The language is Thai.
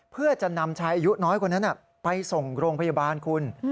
เพื่อจะนำชายอายุน้อยคนนั้นไปส่งโรงพยาบาลคุณ